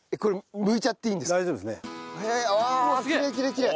うわきれいきれいきれい！